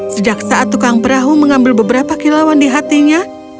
sejak saat tukang perahu mengambil beberapa kilauan di hatinya